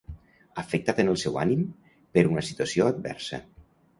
Afectat en el seu ànim, per una situació adversa.